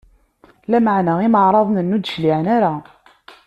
Lameɛna imeɛraḍen-nni ur d-cliɛen ara.